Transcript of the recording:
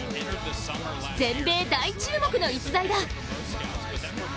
全米大注目の逸材だ。